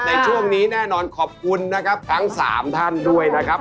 ในช่วงนี้แน่นอนขอบคุณนะครับทั้ง๓ท่านด้วยนะครับ